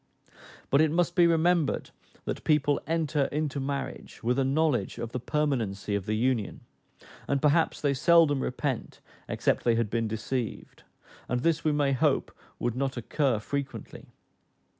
But it must be remembered that people enter into marriage with a knowledge of the permanency of the union, and perhaps they seldom repent, except they had been deceived; and this we may hope would not occur frequently.